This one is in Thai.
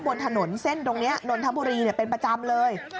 บนถนนเส้นตรงนี้นนทบุรีเป็นประจำเลย